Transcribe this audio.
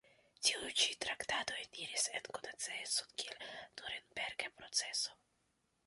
Tiu ĉi traktado eniris en konatecon kiel Nurenberga proceso.